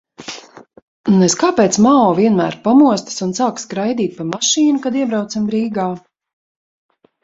Nez kāpēc Mao vienmēr pamostas un sāk skraidīt pa mašīnu, kad iebraucam Rīgā?